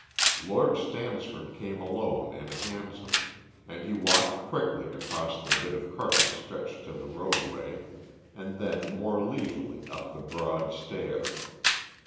Lord Stansford came alone in a hansom, and he walked quickly across the bit of carpet stretched to the roadway, and then more leisurely up the broad stair.